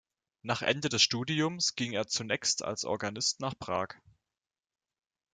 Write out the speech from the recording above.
Nach Ende des Studiums ging er zunächst als Organist nach Prag.